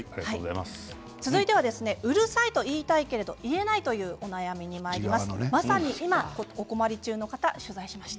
続いてはうるさいと言いたいけど言えないというお悩みです。